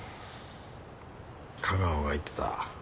架川が言ってた。